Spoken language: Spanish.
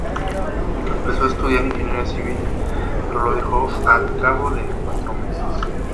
Empezó a estudiar ingeniería civil, pero lo dejó al cabo de cuatro meses.